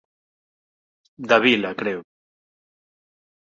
Da vila, creo.